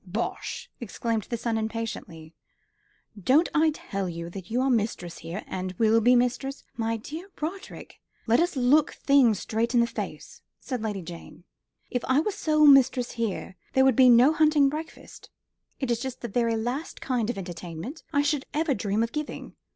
"Bosh!" exclaimed the son impatiently. "Don't I tell you that you are mistress here, and will be mistress " "My dear Roderick, let us look things straight in the face," said Lady Jane. "If I were sole mistress here there would be no hunting breakfast. It is just the very last kind of entertainment I should ever dream of giving.